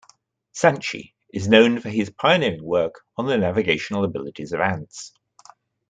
Santschi is known for his pioneering work on the navigational abilities of ants.